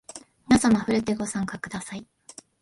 みなさまふるってご参加ください